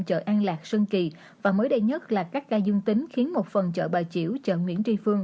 chợ an lạc sơn kỳ và mới đây nhất là các ca dương tính khiến một phần chợ bà chiểu chợ nguyễn tri phương